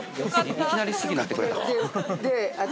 ◆いきなり好きになってくれたわ。